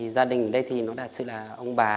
gia đình ở đây là ông bà